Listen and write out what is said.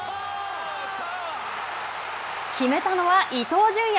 決めたのは伊東純也！